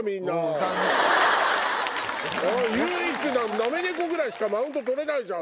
唯一なめ猫ぐらいしかマウント取れないじゃん！